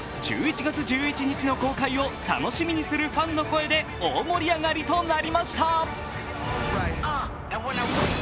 １１月１１日の公開を楽しみにするファンの声で大盛り上がりとなりました。